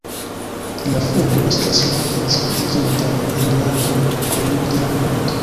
La fungo estas multe disvastiĝinta en landoj kun modera klimato.